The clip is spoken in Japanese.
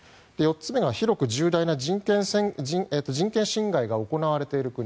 ４つ目が広く甚大な人権侵害が行われている国。